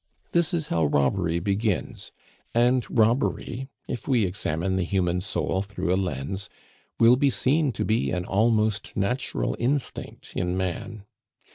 This is how robbery begins; and robbery, if we examine the human soul through a lens, will be seen to be an almost natural instinct in man.